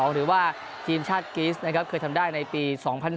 หรือว่าทีมชาติกรีสนะครับเคยทำได้ในปี๒๐๑๖